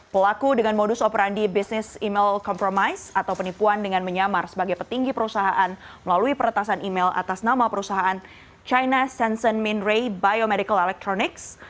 pelaku dengan modus operandi business email compromise atau penipuan dengan menyamar sebagai petinggi perusahaan melalui peretasan email atas nama perusahaan china senson minrey biomedical electronics